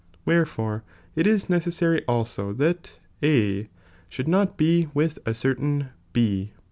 wherefore it ■a^saary also that A should not be witha certain B.